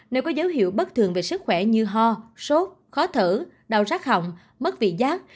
nếu có dấu hiệu bất thường về sức khỏe như ho sốt khó thở đau rắc hỏng mất vị giác